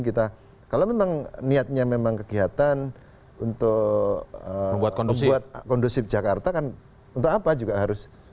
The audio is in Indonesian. kita kalau memang niatnya memang kegiatan untuk membuat kondusif jakarta kan untuk apa juga harus